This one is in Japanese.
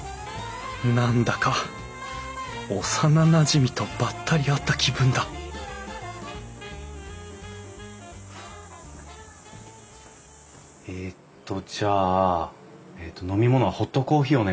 何だか幼なじみとばったり会った気分だえっとじゃあ飲み物はホットコーヒーお願いします。